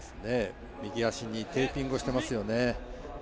右足にテーピングをしていますよね。